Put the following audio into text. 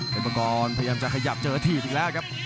เพจมังกรพยายามจะขยับเจอถีบอีกแล้วครับ